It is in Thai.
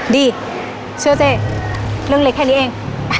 ดีเชื่อสิเรื่องเล็กแค่นี้เอง